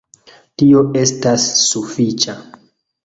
Tio estas sufiĉa...